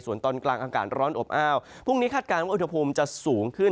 ส่วนตอนกลางอากาศร้อนอบอ้าวพรุ่งนี้คาดการณ์ว่าอุณหภูมิจะสูงขึ้น